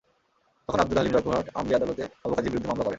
তখন আবদুল হালিম জয়পুরহাট আমলি আদালতে বাবু কাজীর বিরুদ্ধে মামলা করেন।